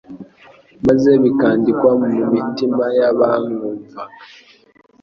maze bikandikwa mu mitima y'abamwumvaga.